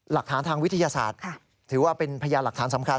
หลักฐานทางวิทยาศาสตร์ถือว่าเป็นพยานหลักฐานสำคัญ